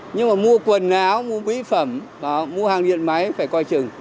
nhưng mà mua quần áo mua mỹ phẩm mua hàng điện máy phải coi chừng